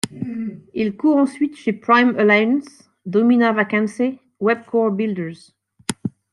Il court ensuite chez Prime Alliance, Domina Vacanze, Webcor Builders.